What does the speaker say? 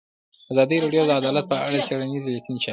ازادي راډیو د عدالت په اړه څېړنیزې لیکنې چاپ کړي.